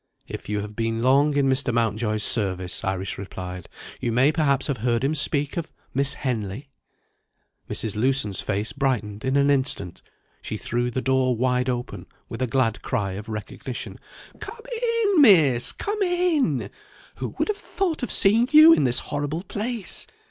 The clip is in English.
"If you have been long in Mr. Mountjoy's service," Iris replied, "you may perhaps have heard him speak of Miss Henley?" Mrs. Lewson's face brightened in an instant; she threw the door wide open with a glad cry of recognition. "Come in, Miss, come in! Who would have thought of seeing you in this horrible place?